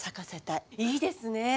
いいですね！